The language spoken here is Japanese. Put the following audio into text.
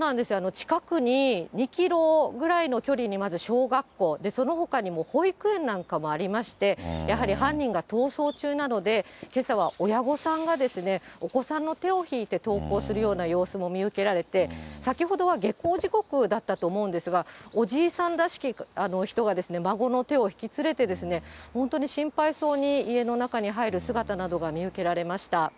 近くに、２キロぐらいの距離に、まず小学校、そのほかにも保育園なんかもありまして、やはり犯人が逃走中なので、けさは親御さんがお子さんの手を引いて登校するような様子も見受けられて、先ほどは下校時刻だったと思うんですが、おじいさんらしき人が、孫の手を引き連れて、本当に心配そうに家の中に入る姿などが見受けられました。